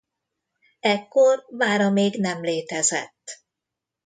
Ekkor vára még nem létezett.